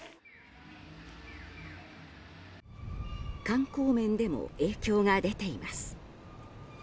観光面でも影響が出ています。